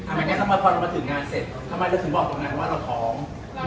แบบนี้ทำไมพอเรามาถึงงานเสร็จทำไมเราถึงบอกตรงนั้นว่าเราท้อง